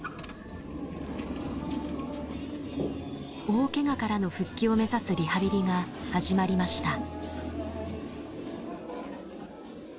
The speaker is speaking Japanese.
大けがからの復帰を目指すリハビリが始まりました。